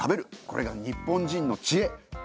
これが日本人の知恵！